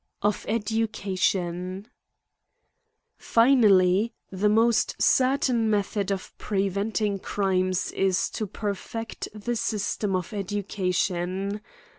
Of Education, i FINALLY, the most certain method of pre venting crimes is, to perfect the system of educa _ j ion.